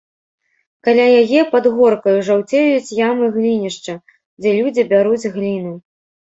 Каля яе, пад горкаю, жаўцеюць ямы глінішча, дзе людзі бяруць гліну.